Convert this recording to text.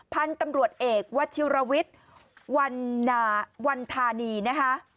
พันธุ์ตำรวจเอกวัชิรวิทย์วันธานีนะคะ